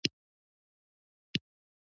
د ابسیس د پیو ډک ځای دی.